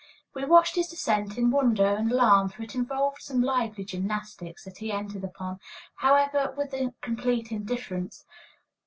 We watched his descent in wonder and alarm, for it involved some lively gymnastics, that he entered upon, however, with complete indifference.